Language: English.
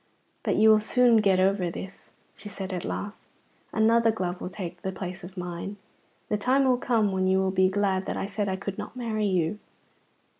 "But you will soon get over this," she said at last; "another glove will take the place of mine; the time will come when you will be glad that I said I could not marry you."